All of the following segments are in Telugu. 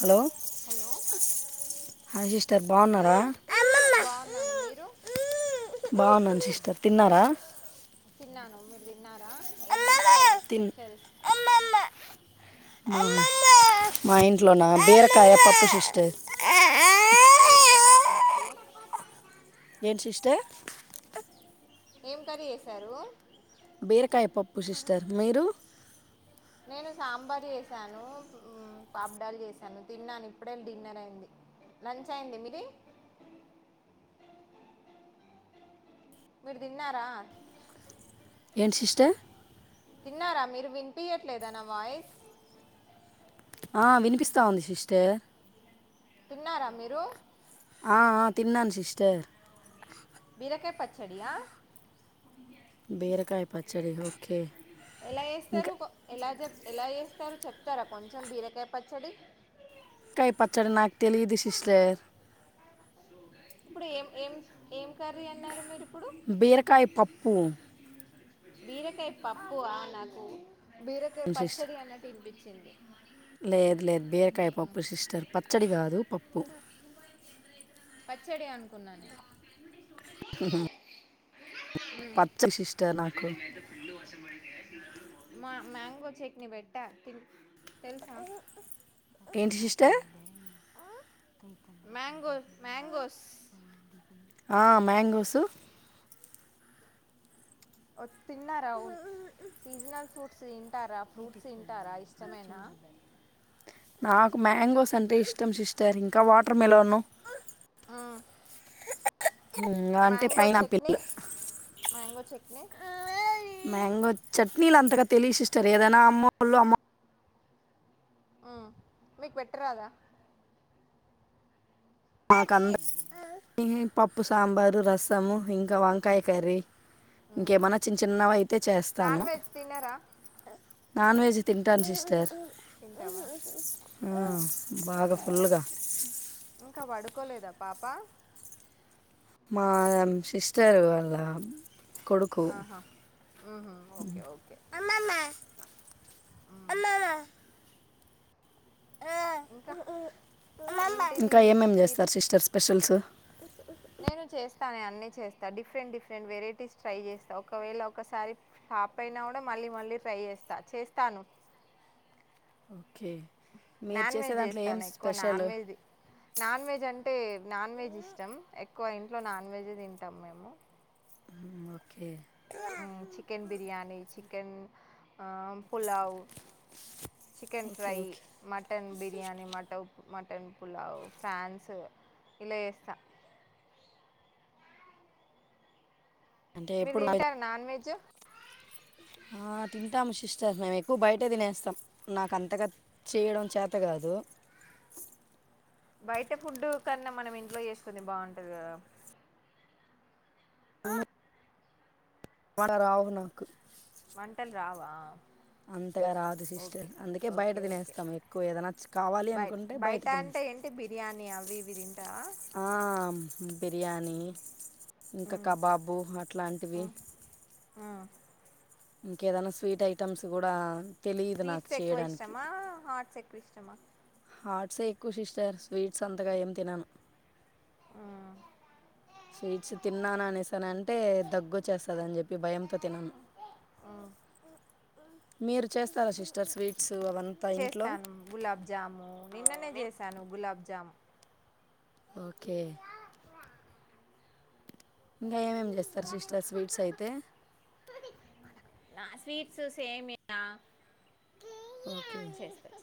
హలో హలో హాయ్ సిస్టర్ బాగున్నారా బాగున్నాను మీరు బాగున్నాను సిస్టర్ తిన్నారా తిన్నాను మీరు తిన్నారా ఏం చేశారు స్పెషల్ అవును మా ఇంట్లో నా బేరకాయ పప్పు సిస్టర్ బీరకాయ పచ్చిమిర్చి ఏంటి సిస్టర్ ఏం కర్రీ చేసారు బీరకాయ పప్పు సిస్టర్ మీరు నేను సాంబార్ చేసాను హ్మ్ పాప్ డాల్ చేసాను తిన్నాను ఇప్పుడే డిన్నర్ అయింది లంచ్ అయింది మీది మీరు తిన్నారా ఏంటి సిస్టర్ తిన్నారా మీరు వినిపయట్లేదా నా వాయిస్ ఆ వినిపిస్తాంది సిట్టర్ తిన్నారా మీరు ఆ ఆ తిన్నాన్ సిస్టర్ చడియా బేరకాయ పచ్చడి ఓకే ఎలా చేస్తారు ఇంకా కో ఎలా చెప్ ఎలా చేస్తారు చెప్తారా కొంచం బీరకాయ పచ్చడి కాయ్ పచ్చడి నాకు తెలియదు సిస్టర్ ఇప్పుడు ఏం ఏం ఏం కర్రీ అన్నారు మీరు ఇప్పుడు బీరకాయ పప్పు బీరకాయ పప్పు ఆ నాకు బీరకాయ సిస్టర్ పచ్చడి అన్నట్టు వినిపించింది లేదు లేదు బీరకాయ పప్పు సిస్టర్ పచ్చడి కాదు పప్పు పచ్చడి అనుకున్నాను పచ్చడి సిస్టర్ నాకు మా మ్యాంగో చట్నీ పెట్టా తిను ఏంటి సిస్టర్ మ్యాంగో మ్యాంగోస్ ఆ మ్యాంగోసు ఓ తిన్నారా అవును సీజనల్ ఫ్రూట్స్ తింటారా ఫ్రూట్స్ తింటారా ఇష్టమేనా నాకు మ్యాంగోస్ అంటే ఇష్టం సిస్టర్ ఇంకా వాటర్ మీలోన్ ఆ అంటే mango chutney pineapple mango chutney mango చట్నీలు అంతగా తెలియదు సిస్టర్ ఏదైనా అమ్మోలు అమ్మో ఆ మీకు పెట్టరాదా మాకంద ఈ పప్పు సాంబారు రసము ఇంకా మ్మ్. వంకాయ కర్రీ మ్మ్. ఇంకేమన్నా చిన్న చిన్నవి అయితే చేస్తాను అ నాన్ వెజ్ తింటాను సిస్టర్ తింటావా ఆ బాగా ఫుల్గా కోలేదా పాప మా సిస్టర్ వాళ్ళ కొడుకు ఆహా [unintelligible] ఓకే ఓకే మ్మ్ అలా ఇంకా ఏంటిది ఇంకా ఏం ఏం ఈరు చేస్తారు సిస్టర్ స్పెషల్స్ నేను చేస్ త అన్ని చేస్తా డిఫరెంట్ డిఫరెంట్ వెరైటీస్ ట్రై చేస్తా ఒకవేళ ఒకసారి పాప్ అయినా కూడా మ మళ్ళీ మళ్ళీ ట్రై చేస్తా చేస్తాను ఓకే మీరు నాన్ చేసే వెజ్ దాంట్లో ఏం చేస్తాను ఎక్కువ special non veg non veg అంటే నాన్ వెెజ్ ఇష్టం ఎక్కువ ఇంట్లో నాన్ వెెజ్ తింటాం మేము okay chicken biryani chicken pulao chicken okay fry okay mutton biryani మట మ టన్ పలావ్ ఫ్రాన్స్ ఇలా చేస్తా అంటే మీరు తింటారా నాన్ వెజ్ అ తింటాము సిస్టర్ మేము ఎక్కువ బయటే తినేస్తాం నాకు అంతగా చేయడం చేత కాదు బయట ఫుడ్డు కన్నా మనం ఇంట్లో చేసుకుంది బాగుంటది కదా టలు కూడా రావు నాకు వంటలు రావా అంతగా రాదు సిస్టర్ ఓకే అందుకే బయట ఓకే ఓకే తినేస్తాం ఎక్కువ ఏదైనాచ్చ కావాలి అనుకుంటే బయట తినే అంటే ఏంటి బిర్యానీ అవి ఇవి తింటా ఆ బిర్యానీ ఇంకా కబాబు అట్లాంటివి ఆ ఇంకేదైనా స్వీట్ ఐటమ్స్ కూడా తెలియదు నాకు స్వీట్స్ ఎక్కువ ఇష్టమా హార్ట్స్ ఎక్కువ ఇష్టమా హార్ట్సే ఎక్కువ సిస్టర్ స్వీట్స్ అంతగా ఏం తినమ్ ఆ స్వీట్స్ తిన్నాను అనేసాను అంటే దగ్గు చేస్తుందిని చెప్పి భయంతో తినము ఆ మీరు చేస్తారా సిస్టర్ స్వీట్స్ అవంతా ఇంట్లో చేస్తాను గులాబ్జాము నిన్ననే చేశాను గులాబ్జాము ఓకే ఇంకా ఏమేమి చేస్తారు సిస్టర్ స్వీట్స్ అయితే నా స్వీట్స్ సేమియా ఓకే చేస్తాను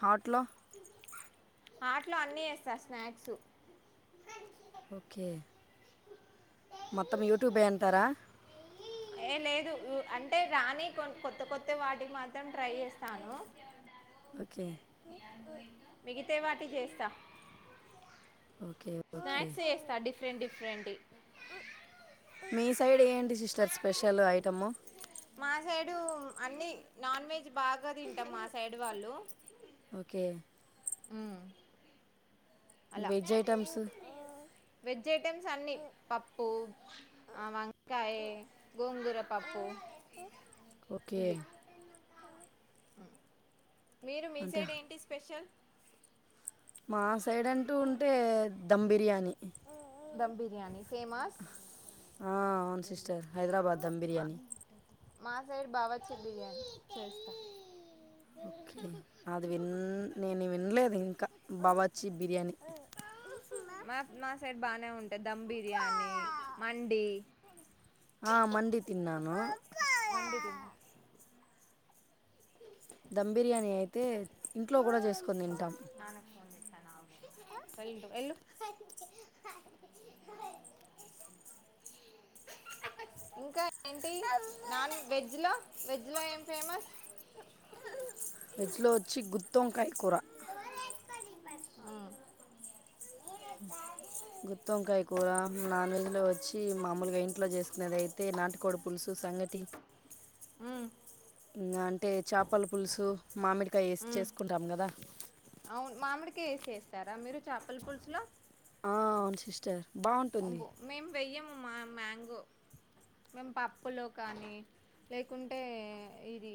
హాట్లో ఆట్లో అన్నీ చేస్తా స్నాక్స్ ఓకే మొత్తం యూట్యూబ్ అంటారా హే లేదు అంటే రాని కొ కొత్త కొత్త వాటికి మాత్రం ట్రై చేస్తాను ఓకే మిగితేవాని చేస్తా ఓకే ఓకే స్నాక్సే చేస్తా డిఫరెంట్ డిఫరెంట్వి మీ సైడ్ ఏంటి సిస్టర్ స్పెషల్ ఐటమ్ము మా సైడు అన్ని నాన్ వెజ్ బాగా తింటాం మా సైడ్ వాళ్ళు ఓకే అలా వెజ్ ఐటమ్స్ వెజ్ ఐటెమ్స్ అన్ని పప్పు ఆ వాంగ్ కాయ్ గోంగూరపప్పు ఓకే ఇవి మీరు అంటే మీిసైడ్ ఏంటి స్పెషల్ మా సైడ్ అంటూ ఉంటే ధమ్ బిర్యానీ ధమ్ బిర్యానీ ఫేమస్ చేస్త హైదరాబాద్ దమ్ మా బిర్యానీ మా సైడ్ బాగా వచ్చి బిర్యానీ చేస్తా ఓకే అది విన్ నేను వినలేదు ఇంకా బాబాచి బిర్యానీ అ మ మా సైడ్ బాగానే ఉంటద్ ధమ్ బిర్యానీ మండి ఆ మండి తిన్నాను మండి తిన్ ధమ్ బిర్యానీ అయితే ఇంట్లో కూడ చేసుకొని తింటాం ఎళ్లు ఇంకా ఏంటి నాన్ వెజ్ లో వెజ్ లో ఏం ఫేమస్ త్తోంకాయ కూర అ అ గుత్తి వంకాయ కూర నాన్ వెజ్ లో వచ్చి మామూలుగా ఇంట్లో చేసుకునేది అయితే నాటికోడు పులుసు సంగటి ఉ అంటే చేపల పులుసు మామిడికాయ వేసి ఉమ్, చేసుకుంటాము కదా చేస్తరా మీరు చేపల పులుసు లో ఆ అవున్ సిస్టర్ బాగుంటుంది మేము వెయ్యము మా మ్యాంగో మేము పప్పులో కానీ లేకుంటే ఇది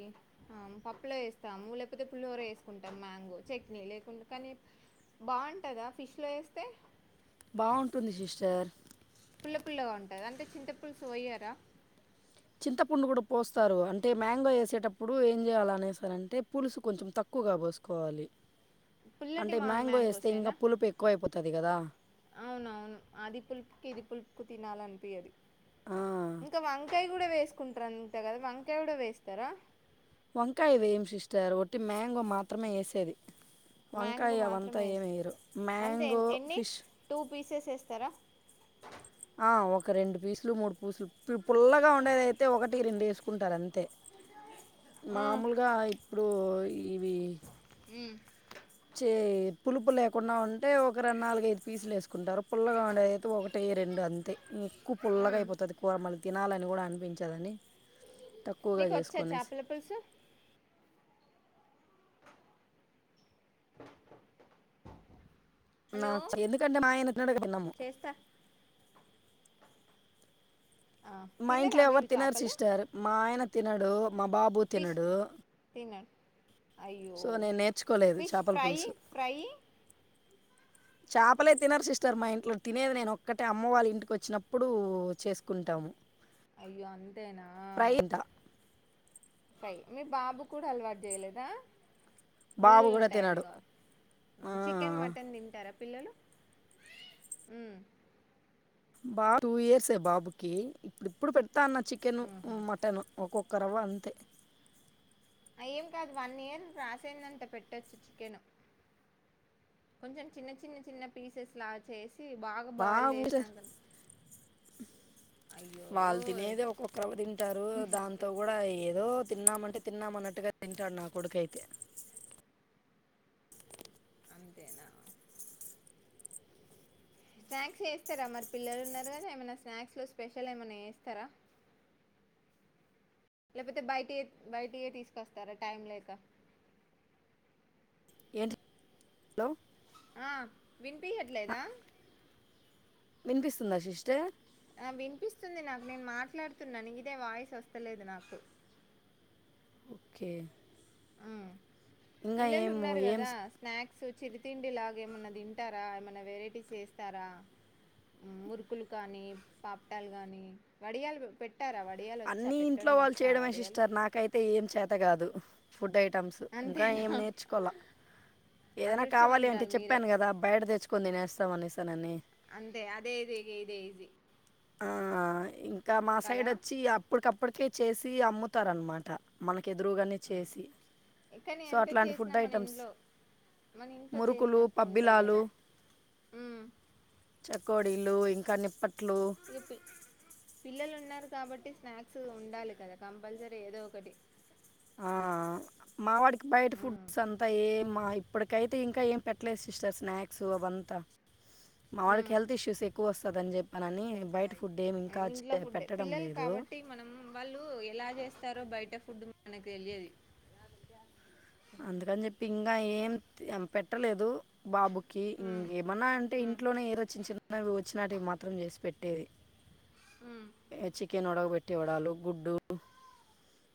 పప్పులో వేస్తాము లేకపోతే పులిహోర వేసుకుంటాము మ్యాంగో చట్నీ లేకుండ కానీ బాగుంటుందా ఫిష్లో వేస్తే బాగుంటుంది సిస్టర్ పుల్ల పుల్లగా ఉంటద అంటే చింత పులుసు పోయ్యరా చింతపండు కూడ పోస్తారు అంటే మ్యాంగో వేసేటప్పుడు ఏం చేయాల అనేస్తారంటే పులుసు కొంచెం తక్కువ ఎక్కువగా పోసుకోవాలి పుల్లటి అంటే మా మ్యాంగో వేస్తే ఇంక మ్యాంగోసేనా పులుపు ఎక్కువైపోతుంది కదా అవునవును అది పులుపుకి ఇది పులుపు కి ఎక్కువ తినాలనిపిియదు ఆ, ఇంకా వంకాయ కూడా వే వేసుకుంటారంత కదా వంకాయ కుడ వేస్తారా వంకాయ వేమ్ సిస్టర్ ఒట్టి మ్యాంగో మాత్రమే వేసేది మ్యాంగో వంకాయ అవంతా మాత్రమే ఏస్ ఏమేయరు మ్యాంగో ఫిష్ పీసేస్ వేస్తరా ఆ ఒక రెండు పీసులు మూడు పీసులు పుల్లగా ఉండేదయితే ఒకటి రెండు వేసుకుంటారు అంతే హ్మ్. మామూల్గా ఇప్పుడు ఇవి ఉమ్ చె పులుపు లేకుండా ఉంటే ఒక రెండు నాలుగైదు పీసులు వేసుకుంటారు పుల్లగా ఉండేది అయితే ఒకటి ఈ రెండు అంతే ఎక్కువ పుల్లగా హ్మ్. అయిపోతది కూర మనక్ తినాలిని కూడా అనిపించదని తక్కువగ నీకొచ్చా చేసుకుొనే చేపల పులుసు? అ నా చెందు కంటే మాయ నిట్న పన్నమ్మ [unintelligible] చేస్తా. ఆ మా తిన్నరా ఇంట్లో ఎవరు మీరు తినరు చేపలు? సిస్టర్ మా ఆయన తినడు మా బాబు ఫిష్ తినడు తినరు. అయ్యో! సో నేను నేర్చుకోలేదు ఫిష్ చేపల ఫ్రై, పులుసు ఫ్రై చేపలే తినరు సిస్టర్ మా ఇంట్లో తినేది నేను ఒక్కటే అమ్మ వాళ్ళ ఇంటికి వచ్చినప్పుడు చేసుకుంటాము అయ్యో అంతేనా ఫ్రై తింటా సై మీ బాబు కూడా అలవాటు చేయలేదా బాబు ముళ్ళులు కూడా తినడు ఉంటాయనగా ఆ చికెన్ మటన్ తింటారా పిల్లలు ఉం బా టూ ఇయర్సే బాబుకి ఇప్పుడు ఇప్పుడు పెడతా ఉన్న చికెను మటన్ ఒక్కొక్క కరవ అంతే ఏమ్ కాదు వన్ ఇయర్ క్రాస్ అయిందంటే పెట్టొచ్చు చికెను కొంచెం చిన్న చిన్న చిన్న పీసెస్ లాగా చేసి బాగా బాయిల్డ్ బాబు ఏసినంక వాళ్ళు తినేదే ఒక్కొక్కరవ తింటారు దాంతో కూడా ఏదో తిన్నామంటే తిన్నామన్నట్టుగా తింటాడు నా కొడుకైతే అంతేనా స్నాక్స్ చేస్తారా మరి పిల్లలు ఉన్నారు కదా ఏమైనా స్నాక్స్ లో స్పెషల్ ఏమైనా చేస్తారా అ లేకపోతే బయటి బయటియ తీసుకొస్తారా టైమ్ లేక ఏంటి హలో ఆ ఆ, వినిపియట్లేదా వినిపిస్తుందా సిస్టర్ ఆ వినిపిస్తుంది నాకు నేను మాట్లాడుతున్నాను ఇదే వాయిస్ వస్తలేదు నాకు ఓకే ఆ ఇంకా పిల్లలు ఏం ఉన్నారు కదా ఏం స్నాక్స్ చిరి తిండి లాగ ఏమన్నా తింటారా ఏమన్నా వెరైటీస్ చేస్తారా ఉం మురుకులు కానీ పాపటాలు కానీ వడియాలు పెట్ అన్ని ఇంట్లో వాళ్ళు చేయడమే వడియాలు సిస్టర్ నాకైతే ఏం చేత కాదు ఫుడ్ ఐటమ్స్ ఇంకా అంతేనా ఏం నేర్చుకోల ఏదైనా కావాలి అంటే అదృష్టవంతురాలు మీరే చెప్పాను కదా బయట తెచ్చుకుని తినేస్తాం అనేసి నని అంతే అదే ఇది ఇగ ఇదే ఈజీ ఆ ఇంకా మా సైడ్ కదా వచ్చి అప్పటికప్పు ఇప్పటికి చేసి అమ్ముతారనమాట మనకి ఎదురుగానే ఉమ్. చేసి కానీ సో ఎంత అట్లాంటి చేసినా ఫుడ్ మన ఐటమ్స్ ఇంట్లో మన ఇంట్లో మురుకులు చేసినట్టు ఉండయి పబ్బిలాలు కదా ఉమ్. చకోడీలు ఇంకా నిప్పట్లు ఎపి పిల్లలు ఉన్నారు కాబట్టి స్నాక్స్ ఉండాలి కదా కంపల్సరీ ఏదో ఒకటి ఆ మా వాడికి బయట ఉమ్ ఫుడ్స్ అంతా ఏ మా ఇప్పటికైతే ఇంకా ఏం పెట్టలేదు సిస్టర్ స్నాక్స్ వంత మా వాడికి ఉమ్, హెల్త్ ఇష్యూస్ ఎక్కువ వస్త దిని చెప్పానినని బయట ఫుడ్ ఏమి ఇంకా ఉం ఇంట్లో చే- ఫుడ్డే పెట్టడం పిల్లలు లేదు కాబట్టి మనం వాళ్ళు ఎలా చేస్తారో బయట ఫుడ్ మనకి తెలియది ఇంగ ఏం పెట్టలేదు బాబు ఉమ్ ఏమన్నా అంటే ఉమ్ ఇంట్లోనే [unintelligible] వచ్చినటివి మాత్రం చేసి పెట్టేది ఉమ్ హ చికెన్ ఉడగబెట్ట ఇవ్వడాలు గుడ్డు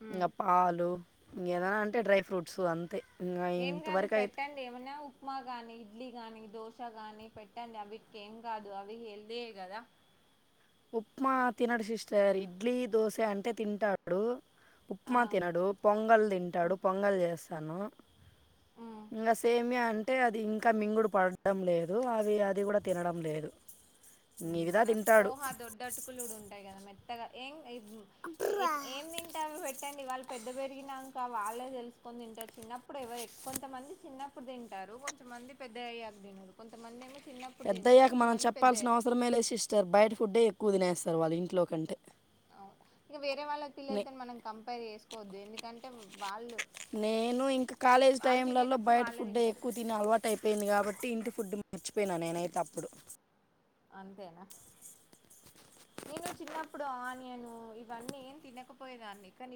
ఉమ్ ఇంగ పాలు ఇంకేదైనా అంటే డ్రై ఫ్రూట్స్ అంతే ఇంకా ఏం కాదు ఇంతవరకు అయితే పెట్టండి ఏమన్నా ఉప్మా గానీ ఇడ్లీ గాని దోషగాని పెట్టండి అవిటికెం కాదు అవి [unintelligible] కదా ఉప్మా తినడు సిస్టర్ ఇడ్లీ దోశ అంటే తింటాడు ఆ ఉప్మా తినడు పొంగల్ తింటాడు పొంగల్ చేస్తాను ఉమ్ ఇంగ సేమియా అంటే అది ఇంకా మింగుడు పడడం లేదు అవి అది కూడ తినడం లేదు మన [unintelligible] తింటాడు [unintelligible] దొడ్డటుకులు ఉంటాయి కదా మెత్తగా ఏం ఏం తింటే పెట్టండి వాళ్ళ పెద్ద పెరిగినాక వాళ్ళే తెలుసుకొని తింటారు చిన్నప్పుడు ఎవరు ఎ కొంత మంది చిన్నప్పుడు తింటారు కొ మంది పెద్ద అయ్యాక తినడు కొంతమంది ఏమో చిన్నప్పుడు తినరు పెద్దయ్యాక మనం కొంతమంది పెద్దయ్యాక చెప్పాల్సిన అవసరమే లేదు సిస్టర్ బయట ఫుడ్డే ఎక్కువ తినేస్తారు వాళ్ళు ఇంట్లో కంటే ఇంక వేరే నే వాళ్ళకిిల్లళ్తే మనం కంపేర్ చేసుకోవద్దు ఎందుకంటే వాళ్ళు నేను ఇంక కాలేజ్ వాళ్ళు టైంలలో తినేటప్పుడు బయట వాళ్ళే ఫుడ్ తింటారు ఎక్కువ తిని అలవాటు అయిపోయింది కాబట్టి ఇంటి ఫుడ్డు మర్చిపోయినా నేనైతే అప్పుడు అంతేనా నేను చిన్నప్పుడు ఆనియను ఇవన్నీ ఏం తినకపోయేదాన్ని [unintelligible]